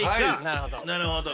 あなるほど。